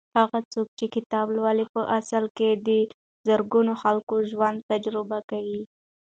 هغه څوک چې کتاب لولي په اصل کې د زرګونو خلکو ژوند تجربه کوي.